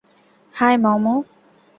High, মম।